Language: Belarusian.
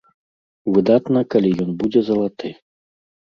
Выдатна, калі ён будзе залаты.